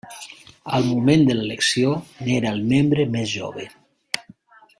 Al moment de l'elecció n'era el membre més jove.